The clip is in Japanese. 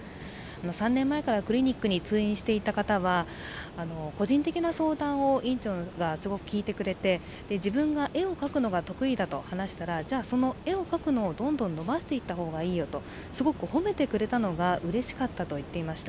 ３年前からクリニックに通院していた方は個人的な相談を院長がすごく聞いてくれて、自分が絵を描くのが得意だと話したら、じゃ、その絵を描くのをどんどん伸ばしていった方がいいよとすごく褒めてくれたのがうれしかったと言っていました。